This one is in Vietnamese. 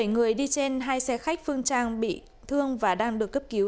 bảy người đi trên hai xe khách phương trang bị thương và đang được cấp cứu